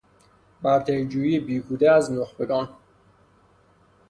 برتری جویی بیهوده از نخبگان